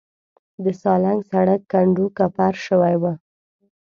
د سالنګ سړک کنډو کپر شوی و.